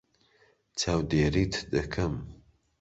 چاودێریت دەکەم.